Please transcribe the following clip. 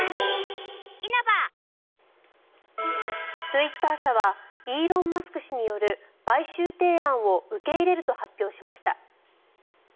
ツイッター社はイーロン・マスク氏による買収提案を受け入れると発表しました。